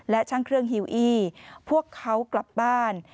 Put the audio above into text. และช่างเครื่องฮิวอี้พวกเขากลับบ้าน